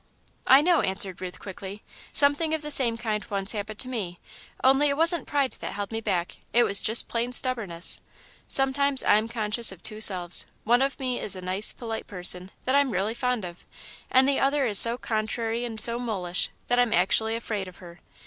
"I know," answered Ruth, quickly, "something of the same kind once happened to me, only it wasn't pride that held me back it was just plain stubbornness. Sometimes I am conscious of two selves one of me is a nice, polite person that I'm really fond of, and the other is so contrary and so mulish that I'm actually afraid of her.